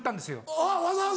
あっわざわざ。